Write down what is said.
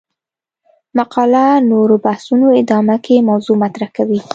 مقاله نورو بحثونو ادامه کې موضوع مطرح کوي.